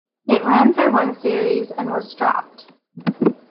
It ran for one series and was dropped.